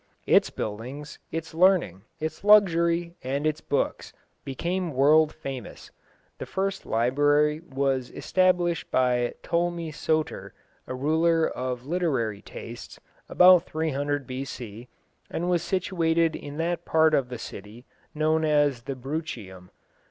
Its buildings, its learning, its luxury, and its books, became world famous. The first library was established by Ptolemy Soter, a ruler of literary tastes, about 300 B.C., and was situated in that part of the city known as the Bruchium.